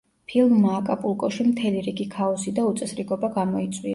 ფილმმა აკაპულკოში მთელი რიგი ქაოსი და უწესრიგობა გამოიწვია.